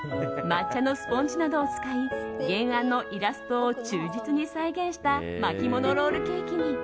抹茶のスポンジなどを使い原案のイラストを忠実に再現したまきものロールケーキに！